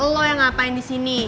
lo yang ngapain disini